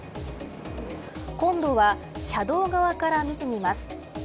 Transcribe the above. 今度は車道側から見てみます。